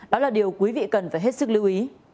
đó là điều quý vị cần phải hết sức lưu ý